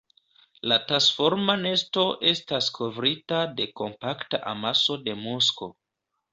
La tasforma nesto estas kovrita de kompakta amaso de musko.